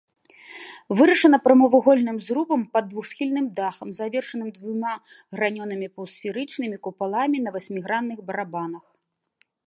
Вырашана прамавугольным зрубам пад двухсхільным дахам, завершаным двума гранёнымі паўсферычнымі купаламі на васьмігранных барабанах.